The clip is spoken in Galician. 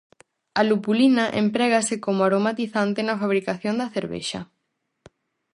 A lupulina emprégase como aromatizante na fabricación da cervexa.